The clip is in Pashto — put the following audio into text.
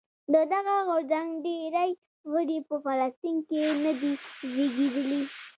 د دغه غورځنګ ډېری غړي په فلسطین کې نه دي زېږېدلي.